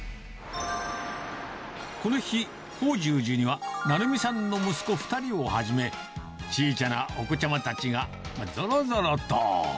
この日、法重寺には成美さんの息子２人をはじめ、ちいちゃなお子ちゃまたちがぞろぞろと。